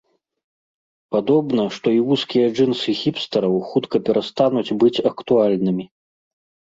Падобна, што і вузкія джынсы хіпстараў хутка перастануць быць актуальнымі.